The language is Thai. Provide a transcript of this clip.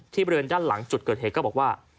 บริเวณด้านหลังจุดเกิดเหตุก็บอกว่า